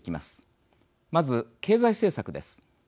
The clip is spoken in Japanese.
まず経済政策です。